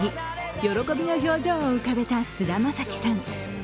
喜びの表情を浮かべた菅田将暉さん。